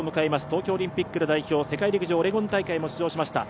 東京オリンピック代表、世界陸上オレゴン大会にも出場しました。